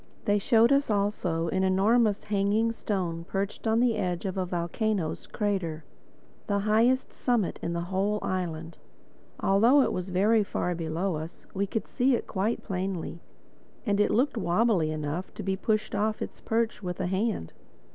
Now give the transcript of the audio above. They showed us also an enormous hanging stone perched on the edge of a volcano's crater—the highest summit in the whole island. Although it was very far below us, we could see it quite plainly; and it looked wobbly enough to be pushed off its perch with the hand.